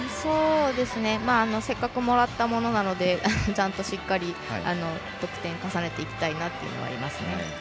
せっかくもらったものなのでちゃんとしっかり得点を重ねていきたいなというのはありますね。